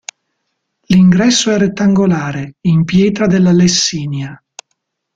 L'ingresso è rettangolare, in pietra della Lessinia.